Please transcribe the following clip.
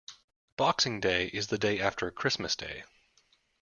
Boxing Day is the day after Christmas Day.